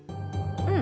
うん。